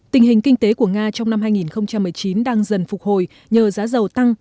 tình hình kinh tế của nga trong năm hai nghìn một mươi chín đang dần phục hồi nhờ giá dầu tăng